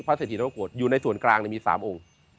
พระเศรษฐีนรกบทอยู่ในส่วนกลางเนี่ยมีสามองค์